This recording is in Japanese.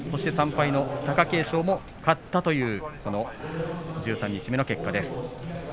３敗の貴景勝も勝ったという十三日目の結果です。